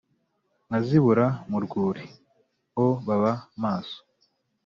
Nkazibura mu rwuri.o baba maso.